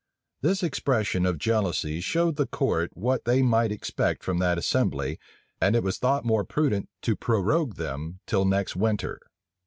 This expression of jealousy showed the court what they might expect from that assembly; and it was thought more prudent to prorogue them till next winter.